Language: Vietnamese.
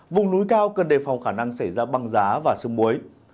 vùng núi cao cần đề phòng khả năng xảy ra băng giá và sương muối